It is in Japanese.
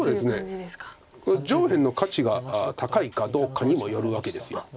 上辺の価値が高いかどうかにもよるわけです。